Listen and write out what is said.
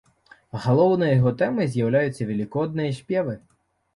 Галоўнай яго тэмай з'яўляюцца велікодныя спевы.